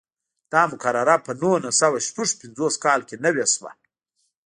دا مقرره په نولس سوه شپږ پنځوس کال کې نوې شوه.